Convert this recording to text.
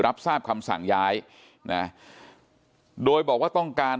รับทราบคำสั่งย้ายนะโดยบอกว่าต้องการ